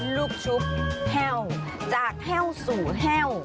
ลูกชุบแห้วจากแห้วสู่แห้ว